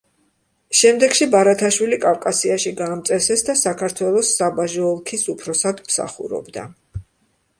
შემდეგში ბარათაშვილი კავკასიაში გაამწესეს და საქართველოს საბაჟო ოლქის უფროსად მსახურობდა.